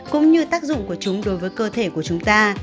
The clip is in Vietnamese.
cũng như tác dụng của chúng đối với cơ thể của chúng ta